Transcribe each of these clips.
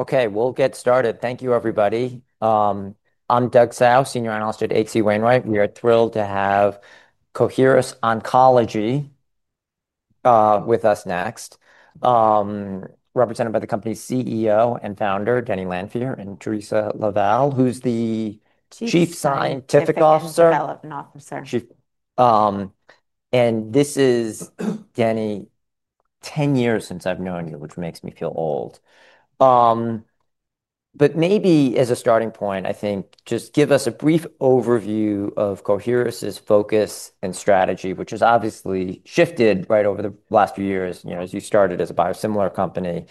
Okay, we'll get started. Thank you, everybody. I'm Doug Tsao, Senior Analyst at H.C. Wainwright. We are thrilled to have Coherus Oncology with us next, represented by the company's CEO and founder, Denny Lanfear, and Theresa LaVallee, who's the Chief Scientific Officer. and Development Officer. This is, Denny, 10 years since I've known you, which makes me feel old. Maybe as a starting point, I think just give us a brief overview of Coherus's focus and strategy, which has obviously shifted right over the last few years, you know, as you started as a biosimilar company.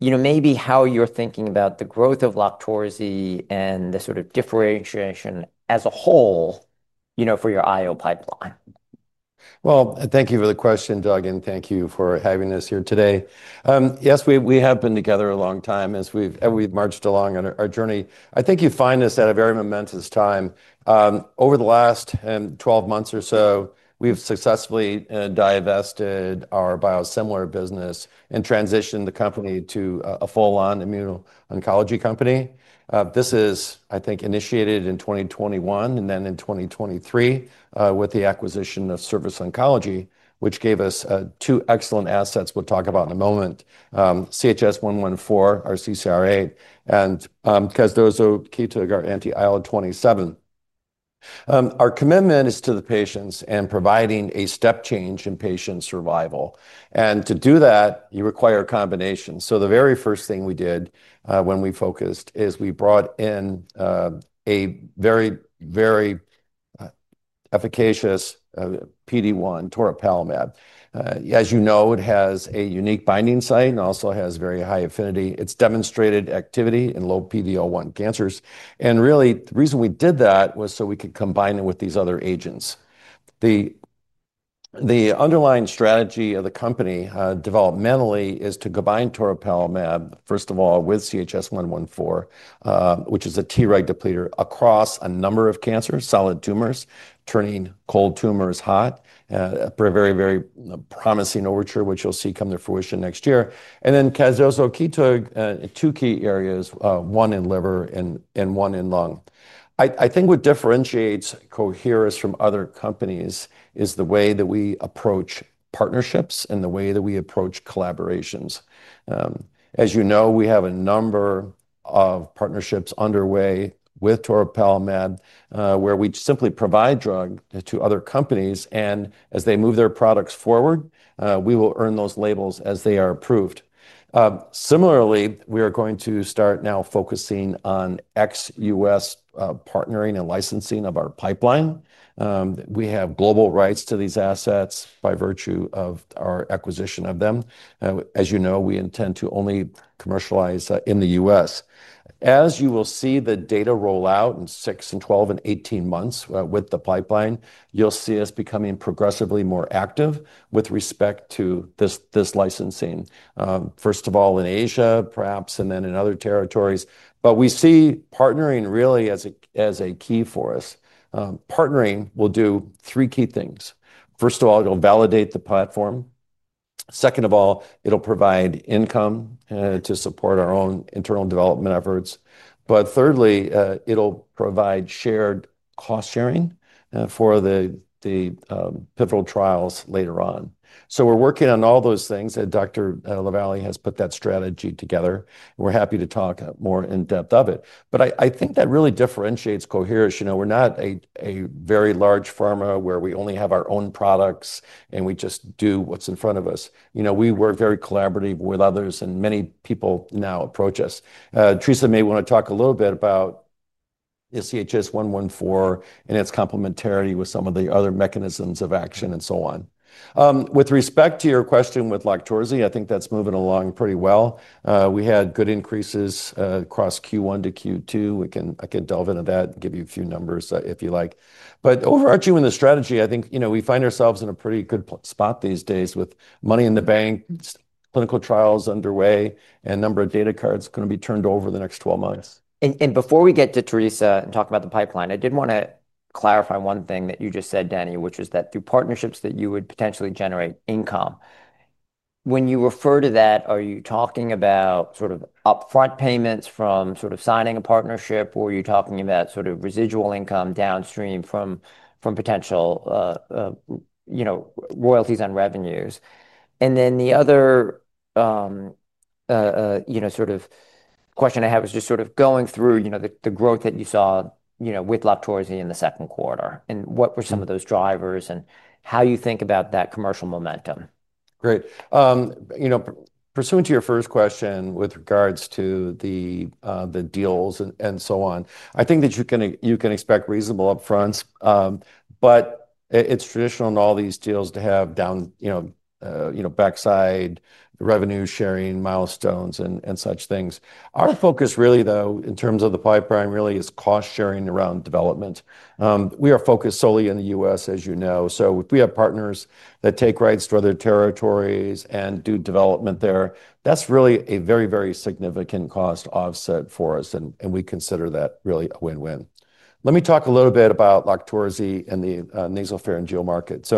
Maybe how you're thinking about the growth of LOQTORZI and the sort of differentiation as a whole, you know, for your IO pipeline. Thank you for the question, Doug, and thank you for having us here today. Yes, we have been together a long time as we've marched along on our journey. I think you find us at a very momentous time. Over the last 12 months or so, we've successfully divested our biosimilar business and transitioned the company to a full-on immuno-oncology company. This is, I think, initiated in 2021 and then in 2023, with the acquisition of Surface Oncology, which gave us two excellent assets we'll talk about in a moment: CHS-114, our CCR8, and, because those are key to our anti-IL-27. Our commitment is to the patients and providing a step change in patient survival. To do that, you require a combination. The very first thing we did, when we focused, is we brought in a very, very efficacious PD-1, toripalimab. As you know, it has a unique binding site and also has very high affinity. It's demonstrated activity in low PD-L1 cancers. The reason we did that was so we could combine it with these other agents. The underlying strategy of the company, developmentally, is to combine toripalimab, first of all, with CHS-114, which is a T-reg depletor across a number of cancers, solid tumors, turning cold tumors hot, for a very, very promising overture, which you'll see come to fruition next year. Then Casdozokitug, two key areas, one in liver and one in lung. I think what differentiates Coherus from other companies is the way that we approach partnerships and the way that we approach collaborations. As you know, we have a number of partnerships underway with toripalimab, where we simply provide drugs to other companies. As they move their products forward, we will earn those labels as they are approved. Similarly, we are going to start now focusing on ex-US partnering and licensing of our pipeline. We have global rights to these assets by virtue of our acquisition of them. As you know, we intend to only commercialize in the U.S. As you will see the data roll out in 6, and 12, and 18 months with the pipeline, you'll see us becoming progressively more active with respect to this licensing. First of all, in Asia, perhaps, and then in other territories. We see partnering really as a key for us. Partnering will do three key things. First of all, it'll validate the platform. Second of all, it'll provide income to support our own internal development efforts. Thirdly, it'll provide shared cost sharing for the pivotal trials later on. We're working on all those things that Dr. LaVallee has put that strategy together. We're happy to talk more in depth of it. I think that really differentiates Coherus. You know, we're not a very large pharma where we only have our own products and we just do what's in front of us. You know, we are very collaborative with others and many people now approach us. Theresa, maybe you want to talk a little bit about the CHS-114 and its complementarity with some of the other mechanisms of action and so on. With respect to your question with LOQTORZI, I think that's moving along pretty well. We had good increases across Q1-Q2. I can delve into that and give you a few numbers if you like. Overarching in the strategy, I think, you know, we find ourselves in a pretty good spot these days with money in the bank, clinical trials underway, and a number of data cards going to be turned over the next 12 months. Before we get to Theresa and talk about the pipeline, I did want to clarify one thing that you just said, Denny, which is that through partnerships that you would potentially generate income. When you refer to that, are you talking about upfront payments from signing a partnership, or are you talking about residual income downstream from potential royalties on revenues? The other question I have is just going through the growth that you saw with LOQTORZI in the second quarter and what were some of those drivers and how you think about that commercial momentum. Great. Pursuant to your first question with regards to the deals and so on, I think that you can expect reasonable upfronts. It's traditional in all these deals to have backside revenue sharing, milestones, and such things. Our focus really, though, in terms of the pipeline, is cost sharing around development. We are focused solely in the U.S., as you know. If we have partners that take rights to other territories and do development there, that's really a very, very significant cost offset for us. We consider that really a win-win. Let me talk a little bit about LOQTORZI in the nasopharyngeal market.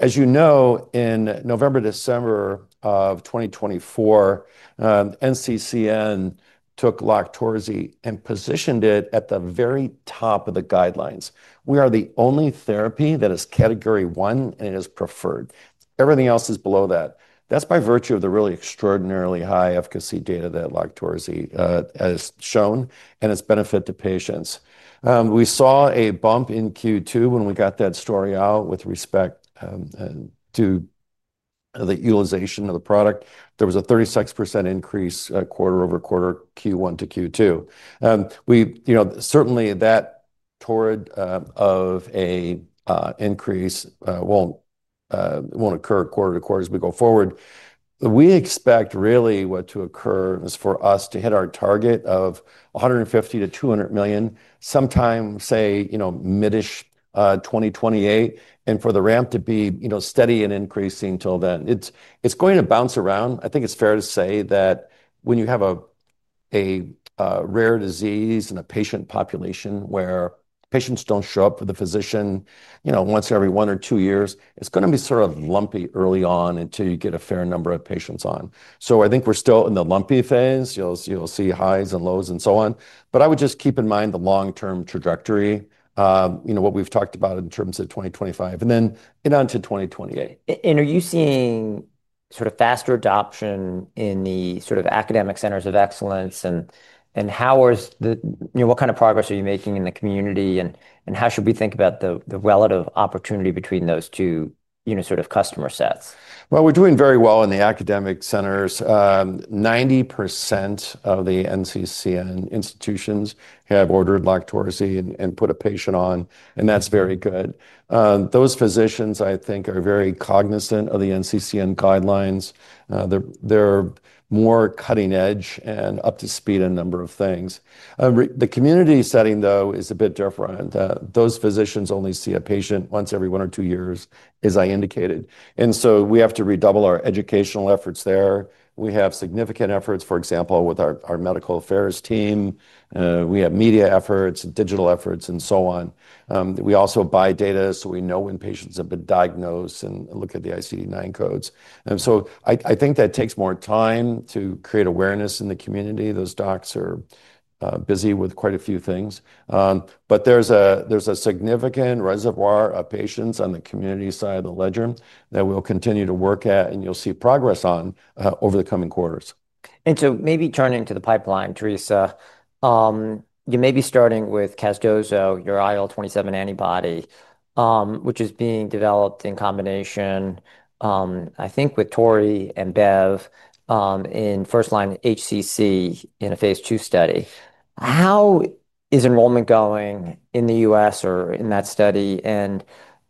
As you know, in November, December of 2024, NCCN took LOQTORZI and positioned it at the very top of the guidelines. We are the only therapy that is category one and it is preferred. Everything else is below that. That's by virtue of the really extraordinarily high efficacy data that LOQTORZI has shown and its benefit to patients. We saw a bump in Q2 when we got that story out with respect to the utilization of the product. There was a 36% increase quarter-over-quarter, Q1-Q2. Certainly, that kind of increase won't occur quarter-to-quarter as we go forward. We expect really what to occur is for us to hit our target of $150-$200 million, sometime, say, mid-ish 2028, and for the ramp to be steady and increasing till then. It's going to bounce around. I think it's fair to say that when you have a rare disease in a patient population where patients don't show up for the physician once every one or two years, it's going to be sort of lumpy early on until you get a fair number of patients on. I think we're still in the lumpy phase. You'll see highs and lows and so on. I would just keep in mind the long-term trajectory, what we've talked about in terms of 2025 and then on to 2028. Are you seeing sort of faster adoption in the sort of academic centers of excellence? How is the, you know, what kind of progress are you making in the community? How should we think about the relative opportunity between those two, you know, sort of customer sets? We're doing very well in the academic centers. 90% of the NCCN institutions have ordered LOQTORZI and put a patient on, and that's very good. Those physicians, I think, are very cognizant of the NCCN guidelines. They're more cutting-edge and up to speed in a number of things. The community setting, though, is a bit different. Those physicians only see a patient once every one or two years, as I indicated. We have to redouble our educational efforts there. We have significant efforts, for example, with our Medical Affairs team. We have media efforts, digital efforts, and so on. We also buy data so we know when patients have been diagnosed and look at the ICD-9 codes. I think that takes more time to create awareness in the community. Those docs are busy with quite a few things. There's a significant reservoir of patients on the community side of the ledger that we'll continue to work at and you'll see progress on over the coming quarters. Maybe turning to the pipeline, Theresa, you may be starting with Casdozo, your IL-27 antibody, which is being developed in combination, I think with tori and bevacizumab, in first-line HCC in a phase II study. How is enrollment going in the U.S. or in that study?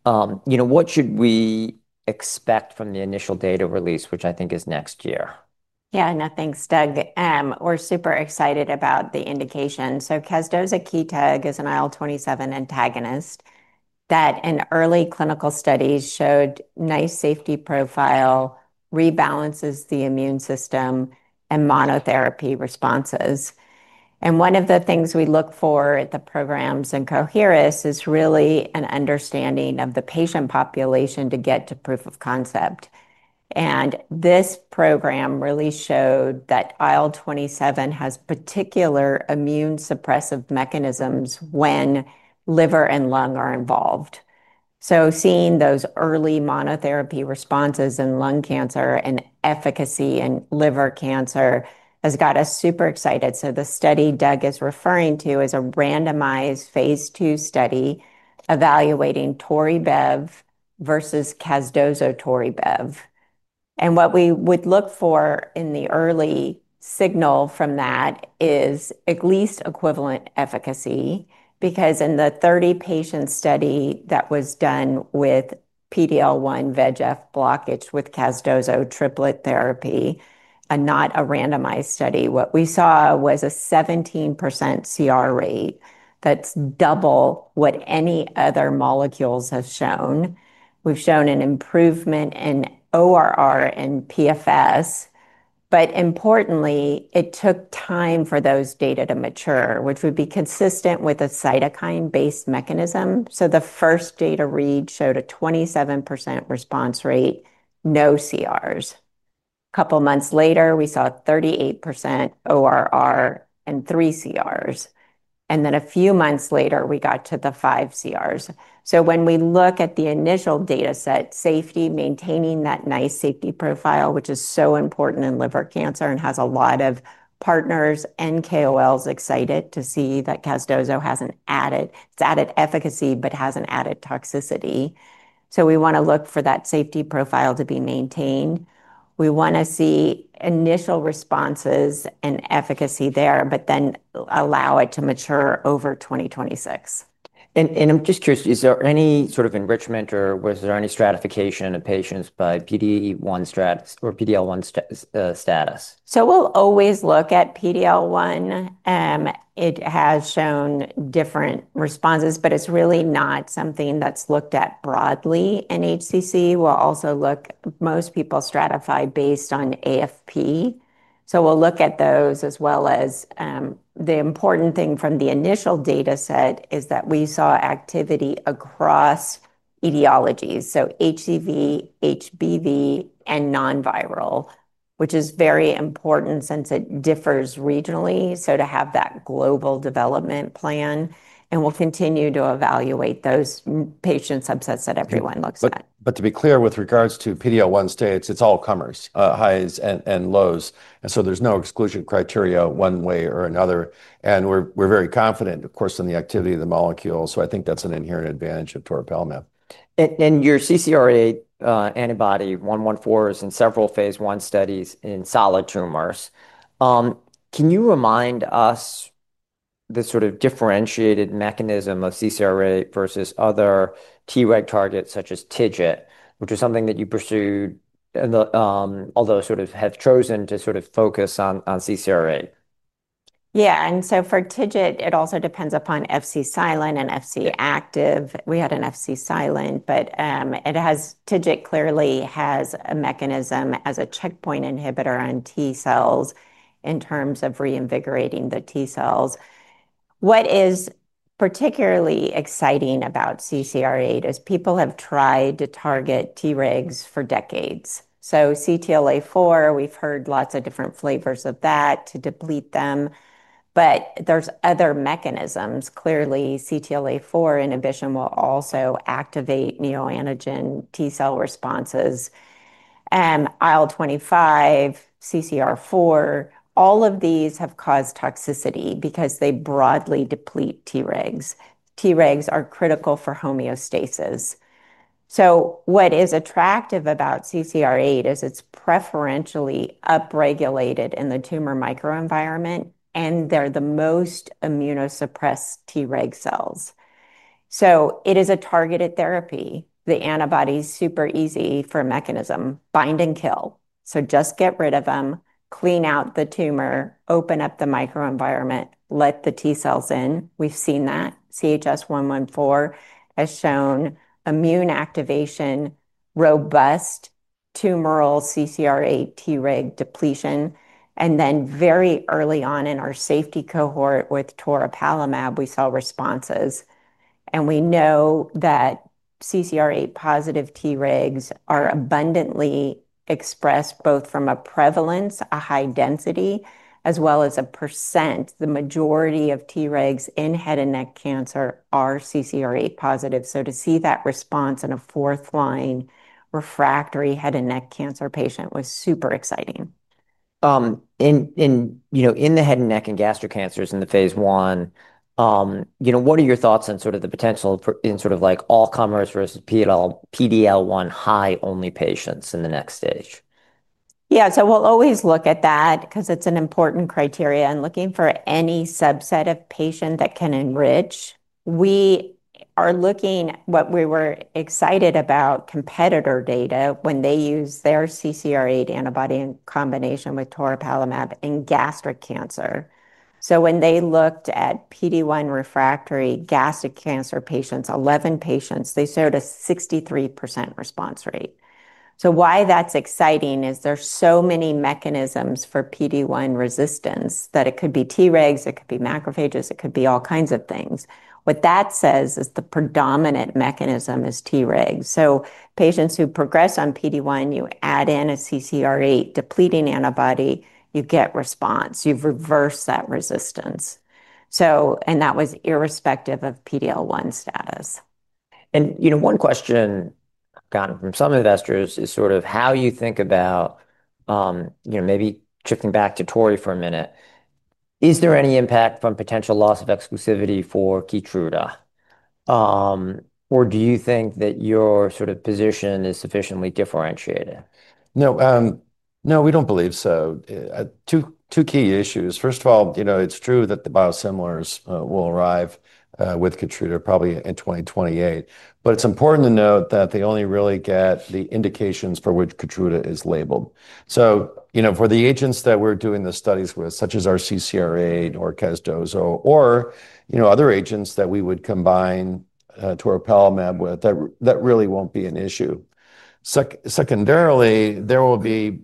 What should we expect from the initial data release, which I think is next year? Yeah, and thanks, Doug. We're super excited about the indication. So Casdozokitug is an IL-27 antagonist that in early clinical studies showed nice safety profile, rebalances the immune system, and monotherapy responses. One of the things we look for at the programs in Coherus is really an understanding of the patient population to get to proof of concept. This program really showed that IL-27 has particular immune suppressive mechanisms when liver and lung are involved. Seeing those early monotherapy responses in lung cancer and efficacy in liver cancer has got us super excited. The study Doug is referring to is a randomized phase II study evaluating tori bev versus Casdozo tori bev. What we would look for in the early signal from that is at least equivalent efficacy because in the 30-patient study that was done with PD-L1 VEGF blockage with Casdozo triplet therapy, and not a randomized study, what we saw was a 17% CR rate. That's double what any other molecules have shown. We've shown an improvement in ORR and PFS. Importantly, it took time for those data to mature, which would be consistent with a cytokine-based mechanism. The first data read showed a 27% response rate, no CRs. A couple of months later, we saw a 38% ORR and three CRs. A few months later, we got to the five CRs. When we look at the initial data set, safety, maintaining that nice safety profile, which is so important in liver cancer and has a lot of partners and KOLs excited to see that Casdozo has an added, it's added efficacy, but has an added toxicity. We want to look for that safety profile to be maintained. We want to see initial responses and efficacy there, but then allow it to mature over 2026. I'm just curious, is there any sort of enrichment or was there any stratification of patients by PD-1 or PD-L1 status? We’ll always look at PD-L1. It has shown different responses, but it’s really not something that’s looked at broadly in HCC. We’ll also look, most people stratify based on AFP. We’ll look at those as well as the important thing from the initial data set is that we saw activity across etiologies. HCV, HBV, and non-viral, which is very important since it differs regionally. To have that global development plan, we’ll continue to evaluate those patient subsets that everyone looks at. To be clear, with regards to PD-L1 states, it's all comers, highs and lows. There's no exclusion criteria one way or another. We're very confident, of course, in the activity of the molecule. I think that's an inherent advantage of toripalimab. Your CCR8 antibody CHS-114 is in several phase I studies in solid tumors. Can you remind us the sort of differentiated mechanism of CCR8 versus other T-reg targets such as TIGIT, which is something that you pursued, although you have chosen to focus on CCR8? Yeah, and for TIGIT, it also depends upon FC-silent and FC-active. We had an FC-silent, but TIGIT clearly has a mechanism as a checkpoint inhibitor on T cells in terms of reinvigorating the T cells. What is particularly exciting about CCR8 is people have tried to target T-regs for decades. CTLA4, we've heard lots of different flavors of that to deplete them. There are other mechanisms. Clearly, CTLA4 inhibition will also activate neoantigen T cell responses. IL-25, CCR4, all of these have caused toxicity because they broadly deplete T-regs. T-regs are critical for homeostasis. What is attractive about CCR8 is it's preferentially upregulated in the tumor microenvironment, and they're the most immunosuppressed T-reg cells. It is a targeted therapy. The antibody is super easy for a mechanism, bind and kill. Just get rid of them, clean out the tumor, open up the microenvironment, let the T cells in. We've seen that CHS-114 has shown immune activation, robust tumoral CCR8 T-reg depletion. Very early on in our safety cohort with Toripalimab, we saw responses. We know that CCR8 positive T-regs are abundantly expressed both from a prevalence, a high density, as well as 1 %. The majority of T-regs in head and neck cancer are CCR8 positive. To see that response in a fourth-line refractory head and neck cancer patient was super exciting. In the head and neck and gastric cancers in the phase I, what are your thoughts on the potential in all comers versus PD-L1 high only patients in the next stage? Yeah, so we'll always look at that because it's an important criteria in looking for any subset of patient that can enrich. We are looking, what we were excited about, competitor data when they used their CCR8 antibody in combination with toripalimab in gastric cancer. When they looked at PD-1 refractory gastric cancer patients, 11 patients, they showed a 63% response rate. Why that's exciting is there's so many mechanisms for PD-1 resistance that it could be T-regs, it could be macrophages, it could be all kinds of things. What that says is the predominant mechanism is T-reg. Patients who progress on PD-1, you add in a CCR8 depleting antibody, you get response, you reverse that resistance. That was irrespective of PD-L1 status. One question I've gotten from some investors is sort of how you think about, you know, maybe trickling back to tori for a minute. Is there any impact from potential loss of exclusivity for Keytruda, or do you think that your sort of position is sufficiently differentiated? No, no, we don't believe so. Two key issues. First of all, it's true that the biosimilars will arrive with Keytruda probably in 2028. It's important to note that they only really get the indications for which Keytruda is labeled. For the agents that we're doing the studies with, such as our CCR8 or Casdozo, or other agents that we would combine toripalimab with, that really won't be an issue. Secondarily, there will be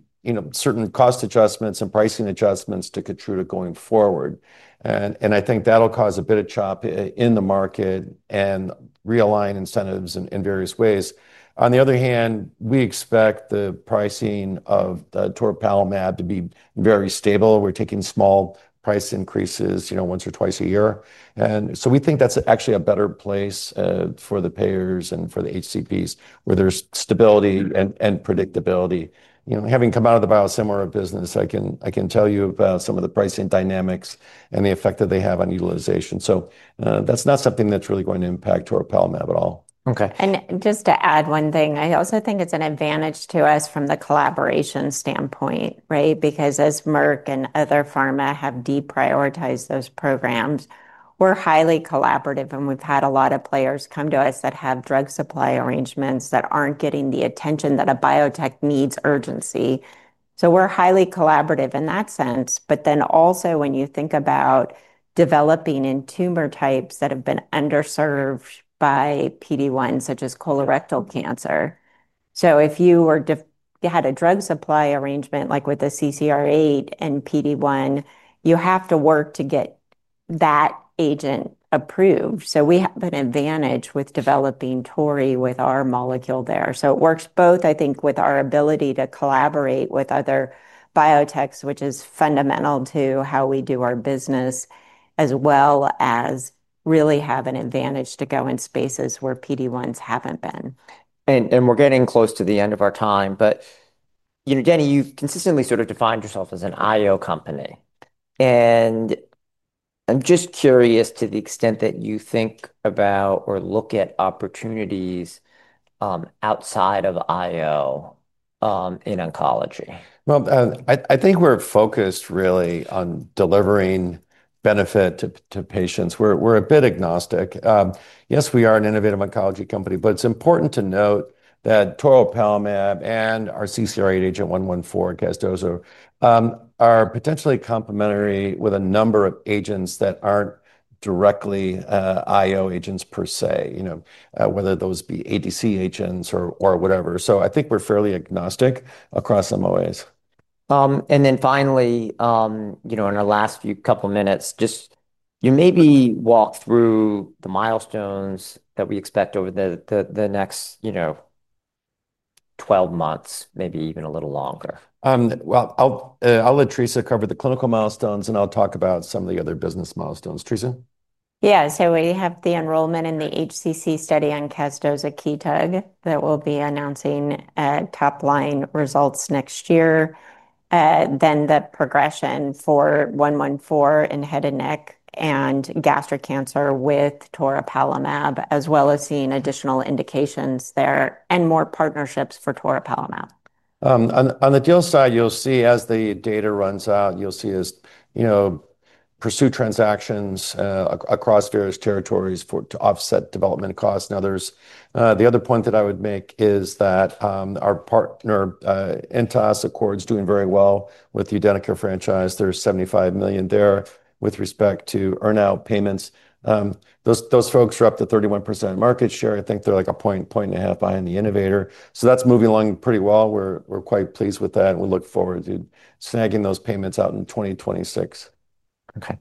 certain cost adjustments and pricing adjustments to Keytruda going forward. I think that'll cause a bit of chop in the market and realign incentives in various ways. On the other hand, we expect the pricing of toripalimab to be very stable. We're taking small price increases, once or twice a year. We think that's actually a better place for the payers and for the HCPs where there's stability and predictability. Having come out of the biosimilar business, I can tell you about some of the pricing dynamics and the effect that they have on utilization. That's not something that's really going to impact toripalimab at all. Okay. Just to add one thing, I also think it's an advantage to us from the collaboration standpoint, right? Because as Merck and other pharma have deprioritized those programs, we're highly collaborative and we've had a lot of players come to us that have drug supply arrangements that aren't getting the attention that a biotech needs urgency. We're highly collaborative in that sense. When you think about developing in tumor types that have been underserved by PD-1, such as colorectal cancer, if you had a drug supply arrangement like with the CCR8 and PD-1, you have to work to get that agent approved. We have an advantage with developing tori with our molecule there. It works both with our ability to collaborate with other biotechs, which is fundamental to how we do our business, as well as really have an advantage to go in spaces where PD-1s haven't been. We're getting close to the end of our time. Denny, you've consistently sort of defined yourself as an IO company. I'm just curious to the extent that you think about or look at opportunities outside of IO in oncology. I think we're focused really on delivering benefit to patients. We're a bit agnostic. Yes, we are an innovative oncology company, but it's important to note that toripalimab and our CCR8 agent CHS-114, Casdozo, are potentially complementary with a number of agents that aren't directly IO agents per se, you know, whether those be ADC agents or whatever. I think we're fairly agnostic across MOAs. Finally, in our last few minutes, maybe walk through the milestones that we expect over the next 12 months, maybe even a little longer. I'll let Theresa cover the clinical milestones, and I'll talk about some of the other business milestones. Theresa? Yeah, so we have the enrollment in the HCC study on Casdozokitug that we'll be announcing at top line results next year. Then the progression for CHS-114 in head and neck and gastric cancer with toripalimab, as well as seeing additional indications there and more partnerships for toripalimab. On the deal side, you'll see as the data runs out, you'll see this pursue transactions across various territories to offset development costs and others. The other point that I would make is that our partner Accord Healthcare is doing very well with the UDENYCA franchise. There's $75 million there with respect to earnout payments. Those folks are up to 31% of market share. I think they're like a point, point and a half behind the innovator. That's moving along pretty well. We're quite pleased with that, and we look forward to snagging those payments out in 2026. Okay.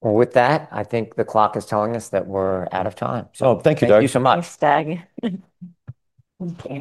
With that, I think the clock is telling us that we're out of time. Oh, thank you, Doug. Thank you so much. Thanks, Doug. Okay.